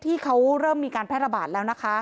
ที่เขาเริ่มมีการแพร่ระบาดแล้วนะคะ